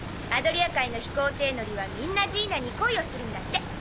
アドリア海の飛行艇乗りはみんなジーナに恋をするんだって。